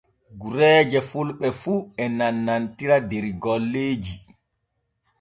Gureeje fulɓe fu e nannantira der golleeji.